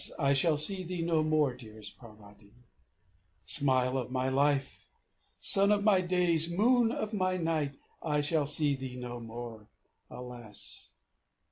I shall see thee no more, dearest Parvati:_ Smile of my life, Sun of my days, Moon of my night! _I shall see thee no more... Alas!